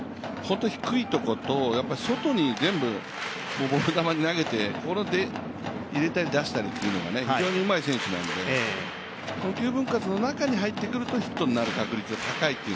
低いところと外にボール球投げて入れたり出したりっていうのが非常にうまい選手なので、９分割の中に入ってくるとヒットになる確率が高い。